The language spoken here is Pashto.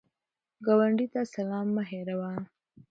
ګاونډي ته سلام مه هېروه